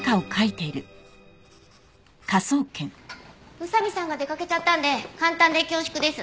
宇佐見さんが出かけちゃったんで簡単で恐縮です。